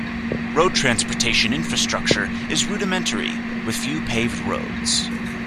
Road transport infrastructure is rudimentary, with few paved roads.